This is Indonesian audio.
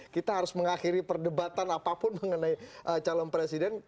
kita harus mengakhiri perdebatan apapun mengenai calon presiden